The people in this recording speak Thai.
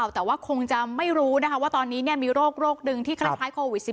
แต่ว่าคงจะไม่รู้นะคะว่าตอนนี้มีโรคดึงที่คล้ายโควิด๑๙